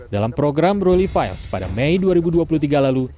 dalam program roli files pada mei dua ribu dua puluh tiga lalu